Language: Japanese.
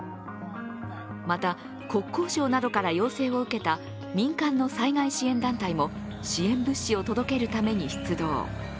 また、国交省などから要請を受けた民間の災害支援団体も支援物資を届けるために出動。